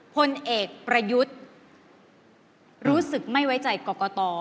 พลเอกประยุทธ์รู้สึกไม่ไว้ใจกรกต